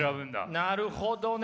なるほどね。